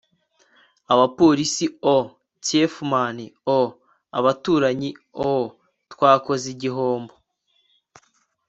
abapolisi-o! tief-man-o! abaturanyi-o! twakoze igihombo